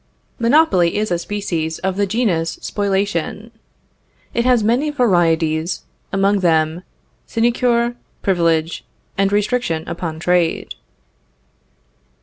Monopoly is a species of the genus spoliation. It has many varieties, among them sinecure, privilege, and restriction upon trade.